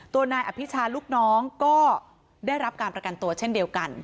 นายอภิชาลูกน้องก็ได้รับการประกันตัวเช่นเดียวกัน